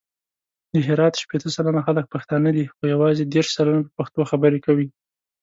د هرات شپېته سلنه خلګ پښتانه دي، خو یوازې دېرش سلنه په پښتو خبري کوي.